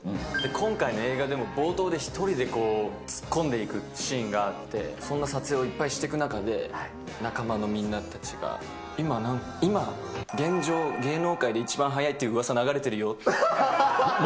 今回の映画でも、冒頭で１人で突っ込んでいくシーンがあって、そんな撮影をいっぱいしてく中で、仲間のみんなたちが、今、なんか、今現状、芸能界で一番速いって、うわさ流れてるよって。